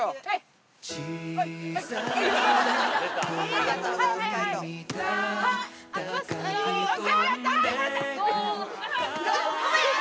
はい！